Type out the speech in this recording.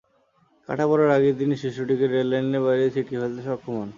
কাটা পড়ার আগেই তিনি শিশুটিকে রেল লাইনের বাইরে ছিটকে ফেলতে সক্ষম হন।